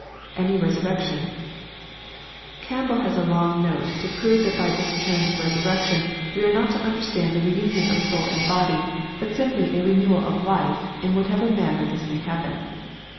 [Any res^t/rrection.'] Campbell has a long note to prove that by this texm resurrection" we are not to understand the reunioo 842 EXPOSITORY THOUGHTS. of 8 ml and body, but simply a renewal of life, in whatever man ner this may happen.